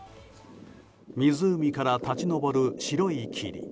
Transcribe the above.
湖から立ち上る白い霧。